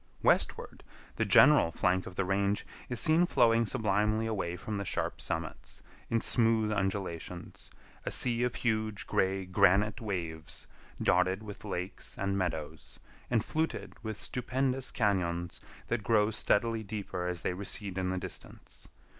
Westward, the general flank of the range is seen flowing sublimely away from the sharp summits, in smooth undulations; a sea of huge gray granite waves dotted with lakes and meadows, and fluted with stupendous cañons that grow steadily deeper as they recede in the distance.